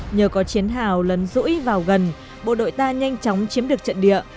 nhờ có chiến hào lấn rũi vào gần bộ đội ta nhanh chóng chiếm được trận địa